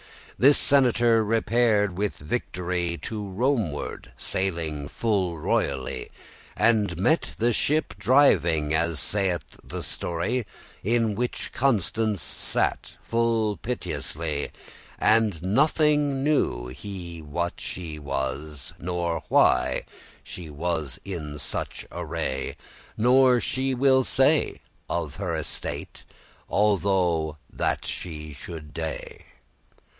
This senator repaired with victory To Rome ward, sailing full royally, And met the ship driving, as saith the story, In which Constance sat full piteously: And nothing knew he what she was, nor why She was in such array; nor she will say Of her estate, although that she should dey.